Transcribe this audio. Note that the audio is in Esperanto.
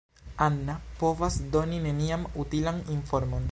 Anna povas doni nenian utilan informon.